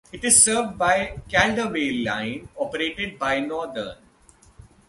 It is served by the Caldervale Line operated by Northern.